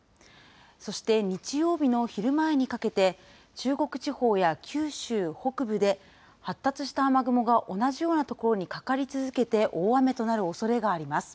そして、日曜日の昼前にかけて、中国地方や九州北部で、発達した雨雲が同じような所にかかり続けて、大雨となるおそれがあります。